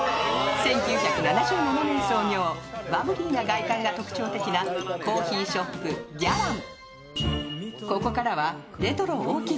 １９７７年創業バブリーな外観が特徴的なコーヒーショップギャラン。